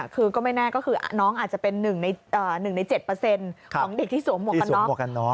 คือก็ไม่แน่ก็คือน้องอาจจะเป็น๑ใน๗ของเด็กที่สวมหวกกันน็อก